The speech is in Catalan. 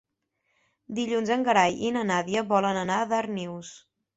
Dilluns en Gerai i na Nàdia volen anar a Darnius.